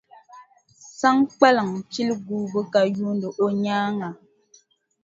Saŋkpaliŋ pili guubu ka yuuni o nyaaŋa.